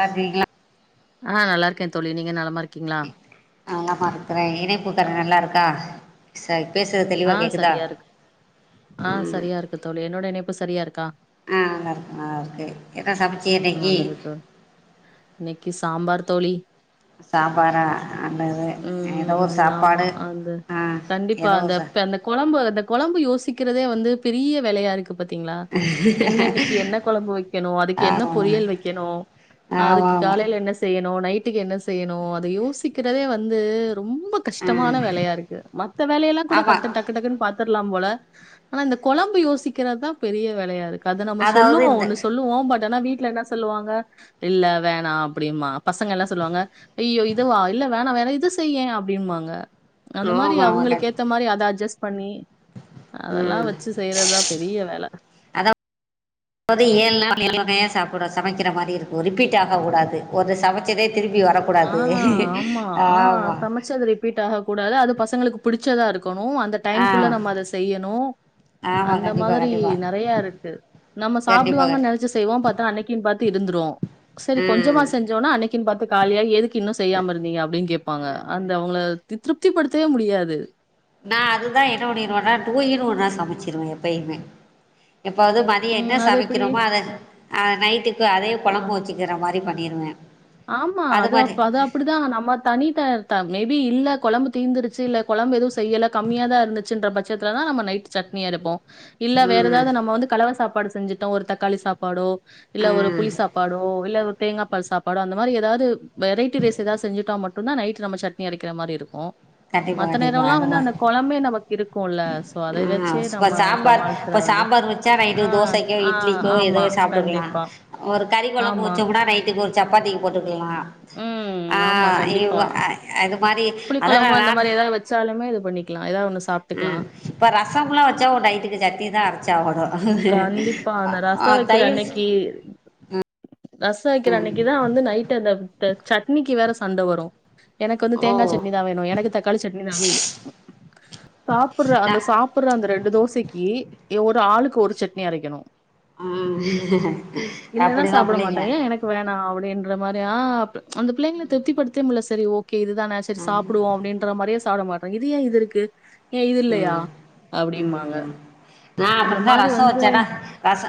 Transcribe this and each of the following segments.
பாத்தீங்களா ஆ நல்லா இருக்கே தோழி நீங்க நலமா இருக்கீங்களா நா நல்லாதா இருக்குறே இணைப்புக்கரோ நல்லா இருக்கா சரி பேசுறது தெளி ஆ சரியா இருக்கு ஆ சரியா இருக்கு தோழி என்னோட இணைப்பு சரியா இருக்கா ஆ நல்லாருக்கு நல்லாருக்கு என்ன சமச்சீக இன்னக்கி இன்னக்கி சாம்பார் தோழி சாம்பாரா நல்லது ஏதோ ஒரு ம் ஆமா. சாப்பாடு அந்த ஆ கண்டிப்பா ஏதோ அந்த ஒரு ப் அந்த கொழம்பு அந்த கொழம்பு யோசிக்கிறதே வந்து பெரிய வேலையா இருக்கு பாத்தீங்களா என்னன்னக்கி என்ன கொழம்பு வைக்கணு அதுக்கு என்ன ஆமாமா பொரியல் வைக்கணு ஆமா அதுக்கு ஆமா காலேல என்ன செய்யணு நைட்டுக்கு என்ன செய்யணு அத யோசிக்கிறதே வந்து ரொம்ப கஷ்டமான ம் வேலையா இருக்கு மத்த வேலையெல்லா கூட ஆமா கட் டக் டக்குன்னு பாத்துரலா போல ஆனா இந்த கொழம்பு யோசிக்கிறதுதா பெரிய வேலையா இருக்கு அத நம்ம அதாவது சொல்லுவோ இந்த ஒண்ணு சொல்லுவோ பட் ஆனா வீட்ல என்ன சொல்லுவாங்க இல்ல வேணா அப்டிம்மா பசங்க எல்லா சொல்லுவாங்க அய்யய்யோ இதுவா இல்ல வேணா வேணா இத செய்யே அப்டின்பாங்க அந்த மாரி ஆமா ஆமா க அவுங்களுக்கு ஏத்த மாதிரி அத அட்ஜஸ்ட் பண்ணி அதெல்லா ம் வச்சு செய்றதுதா பெரிய வேல இப்ப வந்து ஏழு நாளு ஏழு வகையா சாப்டுறோ சமைக்கிற மாரி இருக்கு ரிப்பீட் ஆக கூடாது ஒரு சமைச்சதே திருப்பி வரக் ஆ ஆமா ஆ சமச்சி அதுல ரீப்பீட் ஆக கூடாது அது பசங்களுக்கு பிடிச்சதா இருக்கணு அந்த டைம் குல்ல ஆ நம்ம அத செய்யணு ஆமா அந்த கண்டிப்பா மாதிரி கண்டிப்பா நிறையா இருக்கு நம்ம கண்டிப்பா சாப்டுவாங்கன்னு நெனைச்சி செய்வோ பாத்தா அன்னக்கின்னு பாத்து இருந்துரு சரி ஆ கொஞ்சமா செஞ் சோன்னா அன்னக்கின்னு பாத்து காலியா எதுக்கு இன்னு செய்யாம இருந்தீங்க அப்டின்னு கேப்பாங்க அந்த அவங்கள திருப்தி படுத்தவே முடியாது நா அதுதா என்ன பண்ணிருவேனா டூயின் ஒன்னா சமச்சிருவே எப்பயுமே எப்பவாது மதியோ ம் என்ன அது எப்டி? சமக்கிறமோ அத ஆ நைட்டுக்கு அதே ஆ. கொழம்ப வச் சிக்கிற மாரி பண்ணிருவே ஆமா அது அப் அது அப்டிதா நம்ம தனி தர்தா மேபி இல்ல கொழம்பு தீந்துருச்சி இல்ல கொழம்பு எதுவு செய்யல கம்மியதா இருந்துச்சின்ற பட்சத்துலதா நம்ம நைட் சட்னி அரைப்போ இல்ல வேற ம் ஏதாவது நம்ம வந்து கலவ சாப்பாடு செஞ்சுட்டோ ஒரு தக்காளி சாப்பாடோ இல்ல ஒரு ம் புளி சாப்பாடோ இல்லவ் தேங்கா பால் சாப் பாடோ அந்த மாரி எதாது வெரைட்டி ரைஸ் எதாவ் செஞ்சுட்டா மட்டுந்தா நைட்டு நம்ம சட்னி அரைக்கிற மாரி இருக்கு. கண்டிப்பா மத்த நேரோ கண்டிப்பா எல்லா வந்து அதுவா அந்த கொழம்பே நமக்கு இருக்குல்ல சோ அதைய ம் வெச்சே இப்ப நம்ம சாம்பார் சமாளிச்சற இப்ப வேண்டி சாம்பார் வச்சா நைட்டு ஆ தோசைக்கோ ஆ இட்லிக்கோ ஏதோ ஆமா சாப்ட்டுக்கலா கண்டிப்பா. ஒரு கறி கொழம்பு ஆமா. வெச்சாக்கூட நைட்டுக் ஒரு சப்பாத்திக் போட்டுக்கல்லா. ஆ ம். இவ்வ அ அது மாரி புளி கொழம்பு அந்த அதனால மாரி எதாது வெச்சாலுமே இது பண்ணிக்லா எதாவ் ஒன்னு சாப் ம் இப்ப ரசம்ல்லா வெச்சா உ நைட்டுக்கு சட்னி தா அரைச்சாகணு. அ ஆ தயவுஸ் கீர். ரசோ வெக்கிற அன்னிக்குதா வந்து நைட்டு அந்த த்த சட்னிக்கு வேற சண்ட வரு. எனக்கு வந்து ஓ தேங்கா சட்னிதா வேணு எனக்கு தக்காளி சட்னிதா வேணு சாப்புட்ற அ அந்த சாப் புட்ற அந்த ரெண்டு தோசைக்கி இவ் ஒரு ஆளுக்கு ஒரு சட்னி அரைக்கணு. ம் இல்லன்னா அப்புடி தா சாப்ட புள்ளைங்க. மாட்டா ஏ எனக்கு வேணா அப்டின்ற மாரி அ அப் அந்த பிள்ளைங்கள திருப்தி படுத்வே முல்ல செரி ஓகே இது தான செரி ம் சாப்புடுவோ அப்டின்ற மாரியே சாப்பட மாட்டாங்க இது ஏ இது இருக்கு? ஏ இது இல்லையா ம் அப்டிம்பாங்க. ம் நா அந்த அப்பிடிதா மாரி ரசோ வந்து வெச்சாக்கா ரச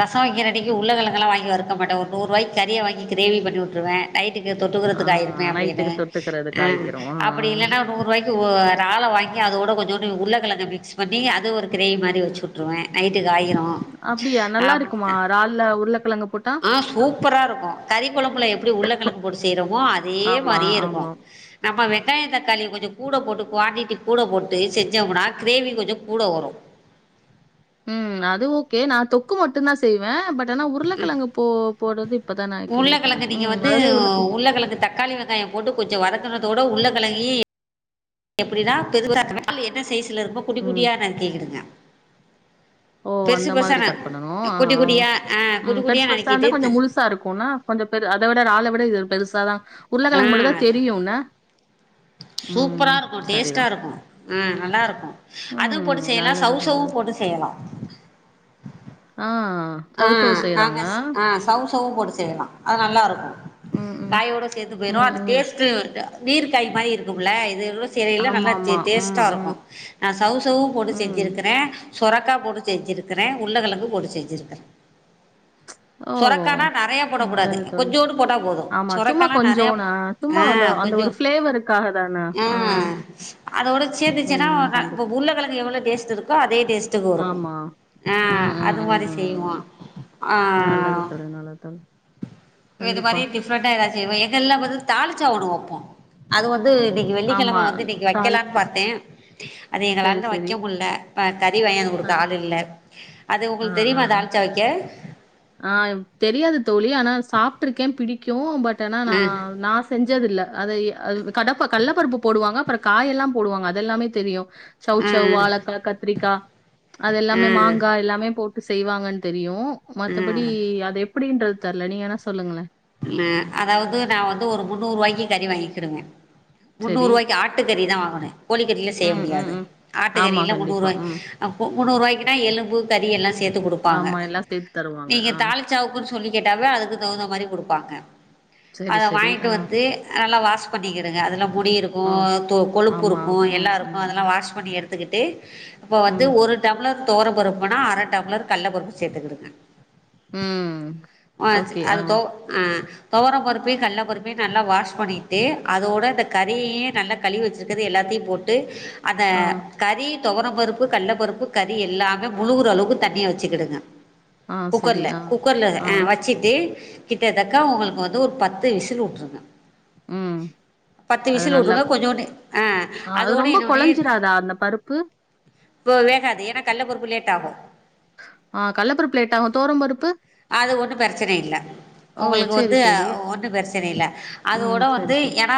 ரசோ வெக்கிற அன்னிக்கு உருளகெழங்கெல்லா‌ வாங்கி வறுக்க மாட்டே ஒரு நூர்ருவாய்க் கறியே வாங்கி கிரேவி பண்ணி உட்ருவே. நைட்டுக்கு ஆ தொட்டுக்கறதுக்கு ஆயிருமே அப்டியென்னு நைட்டுக்கு தொட்டுக்கிறதுக்கு அ ஆயிக்கிறோம். ஆ அப்புடி இல்லன்னா நூர்ருவாய் க்குவு ரால வாங்கி அதோட கொஞ்சோ ண்டு உருளகெழங்க மிக்ஸ் பண்ணி அது ஒரு கிரேவி மாரி வெச்சு உட்ருவே நைட்டுக்கு ஆயிரு. அப்டியா அப் நல்லாருக்குமா ரால்லா உருளக்கெழங்க போட் ஆ சூப்பரா இருக்கு. கறி கொழம்புல எப்பிடி உருளக்கெழங்கு போட்டு செய்றமோ அதே மாரியே இருக்கு. ஆ நம்ம வெங்காய தக்காளிய கொஞ்சோ கூட போட்டு குவான்டிட்டி கூட போட்டு செஞ்சோம்மனா கிரேவி கொஞ்ச கூட வரு. ம் அது ஓகே நா தொக்கு மட்டுந்தா செய்வே பட் ஆனா உருளக்கெழங்க போ போட்றது இப்பதா நா கேள்விப்பட்றே ம் அதுலே உருளக்கெழங் உள்ளக்கெழங்கு தக் காளி வெங்காயோ போட்டு கொஞ்சோ வதக்கனதோட உள்ளகெழங்கியி எப்பிடின்னா [inaudible] என்ன சைஸ்ல இருக்குமோ குட்டி ம். குட்டியா நறிக்கி கிடுங்க. ஓ! அந்த பெருசு மாதிரி பெருசான கட் பண்ணணும். அ ஆ, குட்டி ஆ. குட்டியா அ குட்டி குட்டியா நறுக்கிட்டுப்ப தா இருக்குன்னா கொஞ்சோ பெரு அத விட ரால விட இது பெருசாதா உருளக்கெழங்கு மட்டுதா தெரியுல்ல. சூப்பராருக்கு டேஸ்ட்டா சரிதான். இருக்கு. ம் நல்லா இருக்கு. அது ம். போட்டு செய்யலா நல்லது, சௌசௌவு நல்லது. போட்டு செய்யலா. ஆ. ஆ சௌசௌ செய்றாங்க. நாங்கஸ் ஆ சௌசௌவு போட்டு செய்யலா அது நல்லா இருக்கு. ம், ம். காயோட சேந்து போயிரு ம், அது ம். டேஸ்ட்டு வர்ட்டா நீருக் காய் மாரி இருக்கும்ல இது ரோஸ் சேரயில்ல நல்லா சே ஆமாமா. ம், டேஸ்ட்டா ம், இருக்கு அ சௌசௌவு போட்டு ம். செஞ்சிருக்குறே. சொரக்கா போட்டு செஞ்சிருக்குறே உள்ள கெழங்கு போட்டு செஞ்சுருக்கறே. ஓ! சொரக்கானா நறையா போடக்கூடாது நல்லது தோழி. கொஞ்சோண்டு போட்டா போது ஆமா. சும்மா சொரக்கால்லா கொஞ்சம் நறையாப் நான் சும்மா அ அந்த அந்த கொஞ்சோ ஒரு ஃப்ளேவருக்காக தான. அ ஆ, அதோட சேந்துச்சுன்னா ம். [unintelligible] கண்டிப்பா. போப் உருளக்கெழங்கு எவ்ளோ டேஸ்ட்டு இருக்கோ அதே டேஸ்ட்டுக்கு வரு ஆமா. அ ம், ம், அது ம், மாரி செய்வோ. ம். ஆ நல்லது தோழி, நல்லது தோழி. ஒரு கண்டிப்பா. மாரி டிஃப் டிஃப்ரெண்ட்டா எதா செய்வோ எங்கல்லா வந்து தாளிச்சா ஒன்னு வப்போ. அது வந்து இன்னிக்கு ஆமா. வெள்ளிக்கெழம வந்து இன்னிக்கு வக்கலான் தாளிச்சு. பாத்தே அது சரி, எங்களால சரி. வக்க முல்ல கறி வாங்கியாந்து ஆ. குடுக்க ஆள் இல்ல அது ஆ, உங்களுக்கு ஆ, தெரியுமா ஆ. தால்ச்சா வெக்க ஆ தெரியாது தோழி ஆனா சாப்ட்டுருக்கே பிடிக்கு பட் ஆனா நா அ நா செஞ்சதில்ல அதை கட கள்ளப்பருப்பு போடுவாங்க அப்புற காய எல்லா போடுவாங்க அதெல்லாமே தெரியு அ சௌச்சவ் வாழக்கா கத்திரிக்கா அது அ எல்லாமே மாங்கா அ எல்லாமே போட் டு செய்வாங்கன்னு தெரியு மத்தபடி அ அது எப்டின்றது தெர்ல நீங்க வேனா சொல்லுங்களே ஹ அதாவது நா வந்து ஒரு முந்நூறுபாய்க்கு கறி வாங்கிட்ருந்தே சரி. முந்நூறுவாய்க்கு ஆட்டுக்கறி தா வாங்கனே கோழிக்கறில செய்ய ம், ம், முடியாது ம். ஆமா, ஆட்டுக்கறிலா முந்நூறு கண்டிப்பா. வாய்க் ம். முன்னூறுபாய்க்குனா எலும்பு கறி எல்லா சேர்த்து குடுப்பாங்க ஆமா, எல்லாம் சேர்த்து தருவாங்க. நீங்க ஆ. தால் ச்சாவுக்குன் சொல்லி கேட்டாதா அதுக்கு தகுந்த மாரி குடுப்பாங்க சரி, அத சரி. வாங்கிட்டு ஆ, வந்து நல்லா வாஷ் பண்ணிக்கிடுங்க அதுல முடி இருக்கு ஆ. தொ கொழுப்பு ஆமா. இருக்கு ம், எல்லாருக் ம், கு அதெல்லா ம். வாஷ் பண்ணி எடுத்துக்கிட்டு இப்ப வந்து ம், ஒரு டம்ளர் தோரம் பருப்புன்னா அர டம்ளர் கள்ளபருப்பு சேத்துக்கிடுங்க ம். ஆ ஓகே. ஆ, அது தோ அ தொவரம் பருப்பயு கள்ள பருப்பயு நல்லா வாஷ் பண்ணிட்டு அதோட இந்த கறியயு நல்லா கழுவி வச்சிருக்கறது எல்லாத்தையு போட் டு அத ஆ, கறி துவர பருப்பு கள்ள பருப்பு கறி எல்லாமே முழுகுற அளவுக்கு தண்ணிய வெச்சுக்கிடுங்க ஆ. சரி. குக்கர்ல ஆ, குக்கர்ல ஆ வச்சிட்டு கிட்டதக்க உங்களுக்கு வந்து ஒரு பத்து விசில் வுட்ருங் ம் பத்து அது விசில் நல்லா விட்ருங்க கொஞ்சோனு ஆ அது அதோட ரொம்ப என்னோடைய கொழைஞ்சிராதா அந்த பருப்பு? போ வேகாது ஏனா கள்ள பருப்பு லேட் ஆகு ஆ கடலப்பருப்பு லேட் ஆகும். துவரம் பருப்பு? அது ஒண்ணு பெரச்சனை இல்ல ஓ! உங்களுக்கு சரி, வந்து சரி. ஒண்ணு பெரச்சன இல்ல ம். அதோட சரி, வந்து சரி. ஏனா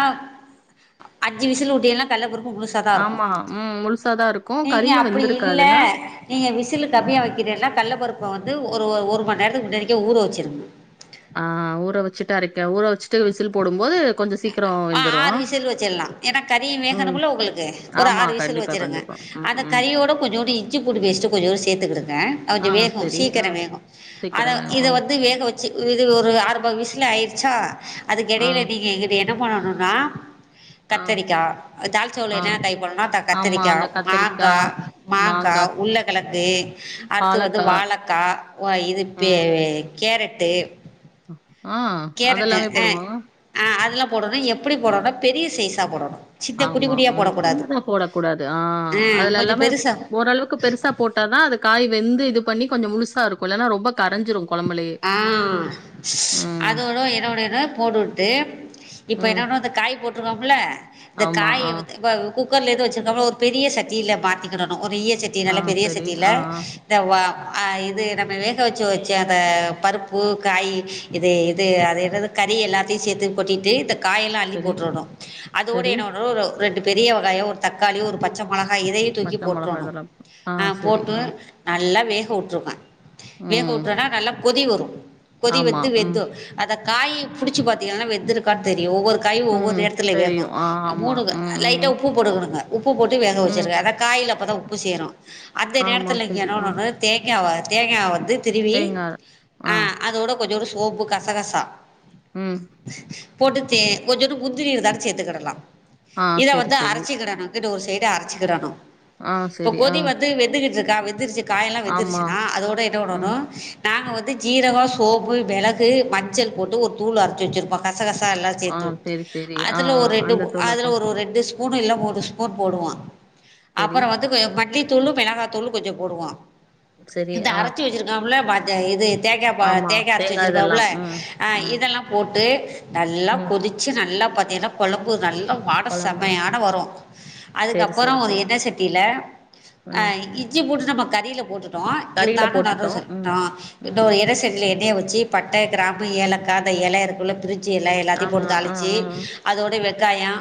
அஞ்சி விசில் உட்டீயல்னா கள்ள பருப்பு முழுசு தா இருக்கு ஆமா. ம். முழுசா தான் இருக்கும். நீங்க கறியும் அப்டி இல்ல வெந்திருக்காதுன்னா? நீங்க விசிலு ம் கம்மியா வைக்கிறியனா கள்ள பருப்ப வந்து ஒரு ஒரு மணி நேரத்துக்கு முன்னாடிக்கே ஊற வச்சுருங்க ஆஹ் ஊற வெச்சட்டு அரைக்க ஊற வெச்சுட்டு விசில் போடும்போது கொஞ்சோ சீக்கிரோ ஆ வெந்துரு ஆறு விசில் வச்சில்லா ஏனா கறியும் ம் வேகனுமுள்ள உங்களுக்கு ஒரு ஆமா ஆறு விசல் கண்டிப்பா வெச்சுருங்க கண்டிப்பா ம் அந்த ம் கறியோட கொஞ்சோண்டு இஞ்சி பூண்டு பேஸ்ட்டு கொஞ்சோண்டு சேர்த்துக்கிடுங்க ஆ கொஞ்சோ வேகு சரி ஆ சீக்கிர வேகும் அத சீக்கிரோ வேகு இத ம் வந்து வேக வெச் இது ஒரு ஆறுப விசுலு ஆயிடுச்சா ஆ அதுக்கெடையில நீங்க இங்குட்டு என்ன பண்ணணுன்னா ஆ கத்தரிக்கா தால்ச்சாவ்ல ஆ என்னன்ன காய் போடனுனா ஆமா கத்தரிக்கா அந்த கத்திரிக்கா மாங்கா மாங்கா உள்ள கெழங்கு அடுத்து வந்து பாலக்கா வாழக்கா வா இதுப்பே கேரட்டு ஆஹ் கேரட்டு ஆ ஆ அதெலா போடணு எப்டி போடணுனா பெரிய சைஸா போடணு ஆமா ம் சின்னதா போடக் கூடாது ஆஹ் ஆ அதுல கொஞ்சம் எல்லாமே பெருசாக ஓரளவுக்கு பெருசா போட்டாதா அது காய் வெந்து இது பண்ணி கொஞ்சம் முழுசா இருக்கும் இல்லன்னா ரொம்ப கரைஞ்சிரு கெழம்புலையே அதோட என்னோட இத போட்டுவுட்டு இப்போ ம் என்னனு இந்த காய் போட்ருக்கோம்ல இந்த ஆமா காய ஆ வந் கௌ குக்கர்ல இருந்து வச்சிருக்காம ஒரு பெரிய சட்டில மாத்திக்கிடணு ஒரு ஈய சட்டில ஆ நல்ல பெரிய சரி சட்டில ஆ ஆ இந்த வா ஆ இது நம்ம வேக வெச்சு வெச்ச அந்த பருப்பு காயி இது இது அது என்னது கறி எல்லாத்தையு சேத்து கொட்டிட்டு காயெல்லா அள்ளி சரி போட்றணு அதோடு சரி என்ன பண்ணணு ஒரு ரெண்டு பெரிய வெங்காயோ ஒரு தக்காளி ஒரு பச்ச மொளகா இதையும் தூக்கி பச்ச மொளகா போட்றோணு இதெல்லாம் ஆ அஹ் சரி போட்டு ஆ நல்லா வேக உட்டுருவ வேக ம் உட்டவொனே நல்லா கொதி வரு கொதி ஆமா. வந்து ம். வெந்து அத காய் புடிச்சு பாத்தீங்கனா வெந்துருக்கான் தெரியு ஒவ்வொரு கை ஒவ்வொரு ம். நேரத்துல வேகு தெரியும். ஆ ஆமா. மூணு ம், ம், லைட்டா உப்பு போடுக்குனுங்க உப்பு போட்டு வேக ம். வச்சிரு அத காய்ல அப்பதா உப்பு சேரும் அந்த ஆமா நேரத்தில்ல இங்க சரி. என்ன ஆ பண்ணணு தேங்காவ தேங்கா வந்து திரிவி தேங்கா ஆ அதோட கொஞ்சோனு சோம்பு கசகசா ம் போட்டு தேன் கொஞ்சோன்டு முந்திரி இருந்தாலு சேர்த்துக்கிடலா ஆ இத சரி, வந்து சரி. அரைச்சிக்கிடணு இங்குட்டு ஒரு சைடு அரைச்சுக்கிடணு ஆ இப்ப சரி. ஆ. கொதி வந்து வெந்துக்கிட்டுருக் வெந்துருச்சு காயொல்லா ஆமா. வெந்துருச்சுனா அதோட என்ன பண்ணணு ம். நாங்க வந்து ஜீரகம் சோம்பு மெளகு மஞ்சள் போட்டு ஒரு தூள் அரைச்சு வச்சிருப்போ கசகசா எல்லா ஆ சேத்து சரி, சரி. ஆ, அதுல ஆ. ஒரு ரெண் அந்த தூள போ அதுல ஒரு ரெண்டு ஸ்பூனு இல்ல மூணு ஸ்பூன் போடுவோ சரி, அப்பற வந்து மல்லி தூளு மெளகா தூளு கொஞ்சம் போடுவோ சரி. இந்த ஆ. அரைச்சி வச்சிருக்கல அந்த இது தேங்கா ஆமா. தேங்கா அரைச்சு வச்சிருக்கம்ல இதெல்லாம். ம், ம், இதெல்லா போட்டு நல்லா ம். கொதிச்சு நல்லா பாத்திங்கன்னா கொழம்பு நல்லா வாட குழம்பு செமையான வரும் சரி, அதுக்கப்பற சரி, ஒரு சரி. எண்ண சட்டில ம். இஞ்சி பூண்டு நம்ம கறில போட்டுட்டோ கறில இருந்தாலு நடு வ போட்டுட்டோம். சொல் ம், அ ம். இன்னோரு எண்ணசட்டில எண்ணய வச்சு பட்ட கிராம்பு ஏலக்கா இந்த எல இருக்குல்ல பிரிஞ்சு எல்லாத்தையு ஆமா. போட்டு ஆ, தாளிச்சு ஆ. அதோட வெங்காயம்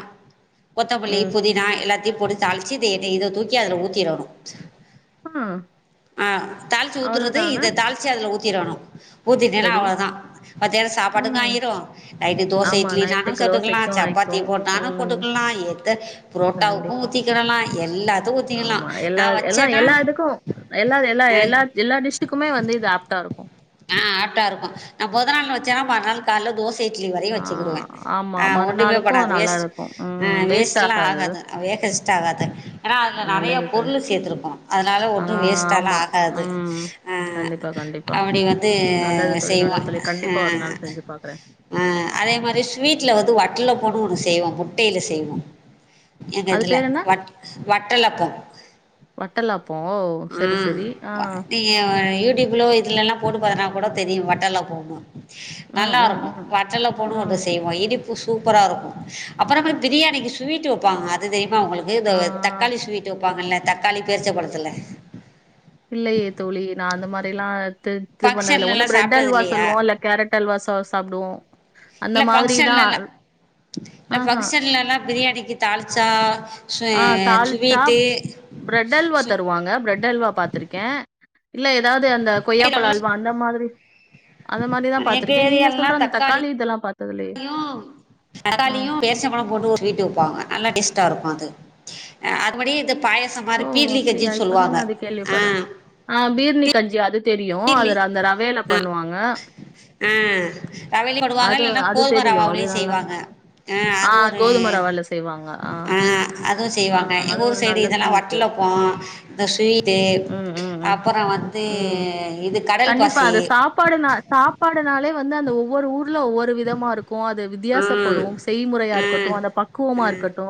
கொத்தமல்லி ம். புதினா எல்லாத் தயு போட்டு தாளிச்சு இத தூக்கி அதுல ஊத்திறணு ஆ ஆ தாளிச்சி ஊத்துறது அவ்வளோதான? இத தாளிச்சி அதுல ஊத்திறணு ஊத்திட்டன்னா சரி. அவ்ளோதா மத்தியான சாப்பாட்டுக்கு ம். ஆய்ரு நைட்டு தோசை ஆமா. இட்லி நாலு நைட்டுக்கு தொட்டுக்கலா தோசைக்கும் சப்பாத்தி ஆயிக்கும். போட்டாலு ம். போட்டுக்கலா எத்த புரோட்டாவுக்கு கண்டிப்பா. ஊத்தி டலா எல்லாத்துக்கு ஆமா எல்லா எல்லா எல்லா இதுக்கு எல்லா எல்லா ஆ எல்லா எல்லா டிஸ்ட்க்குமே வந்து இது ஆப்டா இருக்கு ஆ ஆப்டா இருக்கு நா மொத நாளு வச்சேனா மறு நாள் கால்ல தோச இட்லி வரையு ஆ வச்சுக்கிடுவ ஆமா. ஒன்னுமே மறுநாளுக்கும் பன்னாது நல்லா வேஸ்ட் இருக்கும். ம். வேஸ்ட் வேஸ்ட்லா ஆகாது வேகஸ்ட் ஆகாது ஏன்னா அதுல நெறய நல்லது தோழி. பொருள் சேத்துருக்கோ அதனால ஆ ஒன்னு வேஸ்ட்டாலா ஆமா. ஆகாது ம். அ கண்டிப்பா, கண்டிப்பா. அப்டி வந்து நல்லது தோழி, செய்வோ நல்லது தோழி. அ கண்டிப்பா ஒரு நாள் செஞ்சு பாக்குறேன். ஆ அதே மாரி ஸ்வீட்ல வந்து வட்டலப்பனு ஒன்னு செய்வோ முட்டைல செய்வோ எங்க அது இதுல பேர் என்ன? வட் வட்டலப்ப வட்டலாப்போ ஓ செரி செரி ஆ நியு யூடியூப்ல இதுலல்லா போட்டு பாத்தனா கூட தெரியு வட்டல்லப்போமு ம், ம், நல்லாருக்கு ம், வட்டலப்போன்னு ஒன்னு ம். செய்வோ இனிப்பு சூப்பரா இருக்கு அப்பறமேல் பிரியாணிக்கு ஸ்வீட் வப்பாங்க அது தெரியுமா உங்களுக்கு ஆ. தக்காளி ஸ்வீட் ட்டு வப்பாங்கல்ல தக்காளி பேரிச்ச பழத்துல இல்லயே தோழி நா அந்த மாரில்லா எத்து இது பண்ணதுல ஒன்னு ஃபங்க்ஷன்லல்லா பிரெட் சாப்ட்டது அல்வா இல்லையா சொல்லுவோ இல்ல கேரட் அல்வா சா சாப்டுவோ அந்த இல்ல மாதிரி தா ஃபங்க்ஷன்லல்லா இல்ல ஃபங்கஷன்ல எல்லா பிரியாணிக்கு தாள்ச்சா ஆ தாள்ச்சா பிரெட் அல்வா சு தருவாங்க பிரெட் அல்வா பாத்திருக்கே இல்ல ஏதாவது அந்த கொய்யாப்பழ அல்வா அந்த மாதிரி அந்த மாரிதா எங்க பாத்திருக்கே நீங்க சொல்ற அந்த தக்காளி இதெல்லா பாத் துலு தக்காளியு பேச்சம் பழம் போட்டு ஒரு ஸ்வீட்டு வெப்பாங்க நல்ல டேஸ்ட்டா இருக்கு அது அதுபடி பாயசம் ஓ மாரி பீர்னி அப்படியா கஞ்சின்னு இப்பதான் சொல்லுவாங்க நான் அது ஆ கேள்விப்படுறேன் ஆ பீர்னி கஞ்சி அது தெரியு பீர்லி அது அந்த ரவைல ஆ பண்ணுவாங்க ஆ ரவைலயு போடுவாங்க அது இல்லன்னா அது கோதும தெரியும் அது ரவாவுலு நல்லா செய்வாங்க ஆ அது ஒரு கோதும ரவால செய்வாங்க ஆ அதுவு ஆ செய்வாங்க எங்க அது ஊரு ஒரு சைடு நல்ல இதெல்லா லா ஸ்வீட்டு வட்டலப்போ இந்த ஸ்வீட்டு ம் ம் ம் அப்புறோ வந்து ம். இது கடல் கண்டிப்பா பாசி அது சாப் சாப்பாடுனா சாப்பாடுனாலே வந்து அந்த ஒவ்வொரு ஊர்ல ஒவ்வொரு விதமா இருக்கு அது ம் வித்தியாசப்படும் செய்முறையா ஆ இருக்கட்டு அந்த பக்குவமா இருக்கட்டு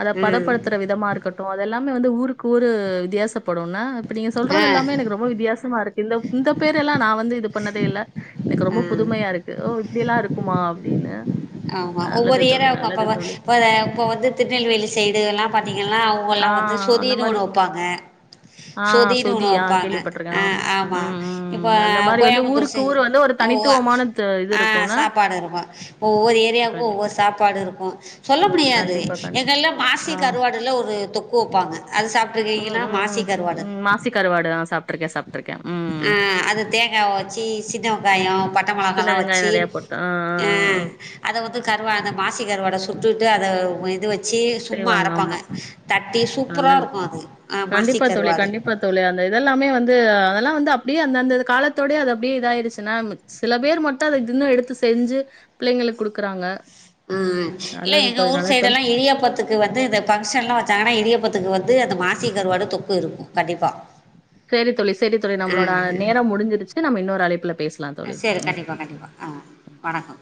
அத ம் பதப்படுத் பத்தர விதமா இருக்கட்டு அதெல்லாமே வந்து ஊருக்கு ஊர் வித்தியாசப்படு என்ன இப்ப நீங்க ஆ சொல்றது எல்லாமே எனக்கு ரொம்ப ரொம்ப வித்தியாசமா இருக்கு இந்தப் இந்த பேர் எல்லா நா வந்து இது பண்ணதே இல்ல எனக்கு ரொம்ப ஆ புதுமையா இருக்கு ஓ இப்டி எல்லா இருக்குமா அப்டின்னு ஆமா ஒவ்வொரு ஏரா அப்ப வ இப்ப இத இப்ப வந்து திருநெல்வேலி சைடு எல்லா பாத்தீங்கனா ஆ அவங்கல்லா வந்து அந்த சொதினு மாரி ஒன்னு வெப்பாங்க ஆ சொதினு சொதி ஒன்னு ஆ வெப்பாங்க கேள்விப்பட்டுருக்கேன். ஆ ஆமா ம், இப்ப ம். அந்த மாரி வந்து கோயம்புத்தூர் சை ஊருக்கு ஊர் வந்து ஒரு ஒவ்வா தனித்துவமான த இது ஆ இருக்கும்னா, சாப்பாடு இருக்கு ஒவ்வொரு ஏரியாவுக்கு கண்டிப் ஒவ்வொரு சாப்பாடு இருக்கு சொல்ல முடியாது கண்டிப்பா கண்டி எங்கள்ளா மாசி ஆ கருவா டுல ஒரு தொக்கு வெப்பாங்க அது சாப்ட்டுருக் ம் ம் ம் ம் மாசி கருவாடு ஆ சாப்ட்டுருக்க சாப்ட்டுருக்க ம் அது தேங்காவ வச்சி சின்ன வெக்காயோ பட்ட மொளகா எல்லா வெச்சி ஆ அத வந்து கருவா அந்த மாசி கருவாட சுட்டுட்டு அத இத வெச் சி சும்மா செய்வாங்க அரப்பாங்க ஆமா தட்டி சூப்பரா நல்லது இருக்கு அது அ மாசி கண்டிப்பா தோழி கருவாடு கண்டிப்பா தோழி அந்த இதெல்லாமே வந்து அதெல்லா வந்து அப்டியே அந்த அந்த காலத்தோடே அது அப்டியே இதாயடுச்சுன்னா சில பேர் மட்டு அத தினோ எடுத்து செஞ்சு பிள்ளைங்களுக்கு குடுக்குறாங்க ம் இல்ல நல்லது எங்க தோழி ஊர் நல்லது சைடு தோழி எல்லா இடியாப்பத்துக் க்கு வந்து இந்த ஃபங்க்ஷன் எல்லா வச்சாங்கன்னா இடியாப்பத்துக்கு வந்து அந்த மாசி கருவாடு தொக்கு இருக்கு கண்டிப்பா செரி தோழி செரி தோழி நம்மளோட நேரோ முடிஞ்சிருச்சு நம்ம இன்னொரு அழைப்புல பேசலா ஆ தோழி ம் [unintelligible] ஆ வணக்கோ